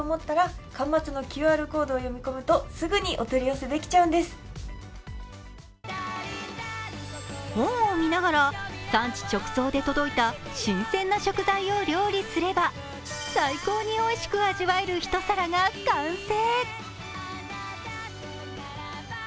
そして本を見ながら産地直送で届いた新鮮な食材を料理すれば最高においしく味わえる一皿が完成。